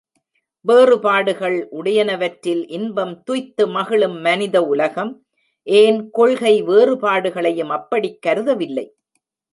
வேறுபாடுகள் உடையனவற்றில் இன்பம் துய்த்து மகிழும் மனித உலகம், ஏன் கொள்கை வேறுபாடுகளையும், அப்படிக் கருதவில்லை.